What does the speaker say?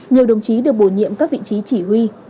nhiều đồng chí được bổ nhiệm các vị trí chỉ huy